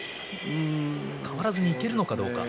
変わらずに、いけるのかどうか。